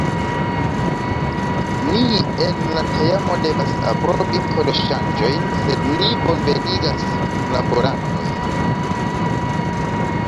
Ni en la teamo devas aprobi kodoŝanĝojn, sed ni bonvenigas kunlaborantojn!